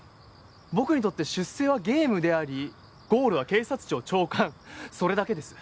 僕にとって出世はゲームでありゴールは警察庁長官それだけです。